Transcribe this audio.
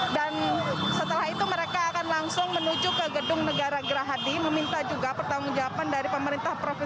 setelah itu mereka akan langsung menuju ke gedung negara gerahadi meminta juga pertanggung jawaban dari pemerintah